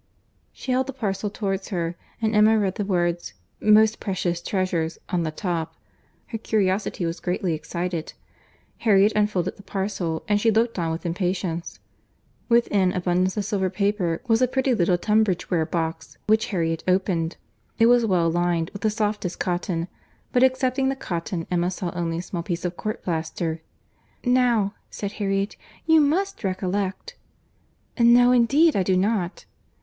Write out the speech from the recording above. She held the parcel towards her, and Emma read the words Most precious treasures on the top. Her curiosity was greatly excited. Harriet unfolded the parcel, and she looked on with impatience. Within abundance of silver paper was a pretty little Tunbridge ware box, which Harriet opened: it was well lined with the softest cotton; but, excepting the cotton, Emma saw only a small piece of court plaister. "Now," said Harriet, "you must recollect." "No, indeed I do not."